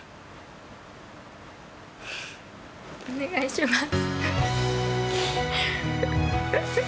お願いします